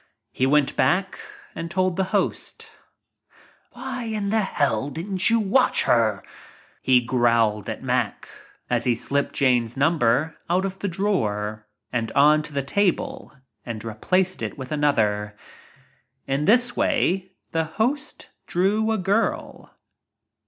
He went back and told the host. tt Why in hell didn't you watch her," he growled at Mack, as he slipped Jane's number out of the drawer and on to the table and re placed it with another. In this way the host drew a girl.